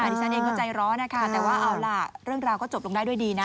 ดิฉันเองก็ใจร้อนนะคะแต่ว่าเอาล่ะเรื่องราวก็จบลงได้ด้วยดีนะ